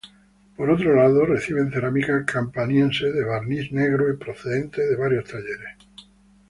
Por otro lado, reciben cerámica campaniense de barniz negro procedente de varios talleres.